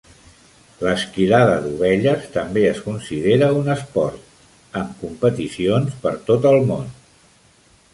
L'esquilada d'ovelles també es considera un esport, amb competicions per tot el món.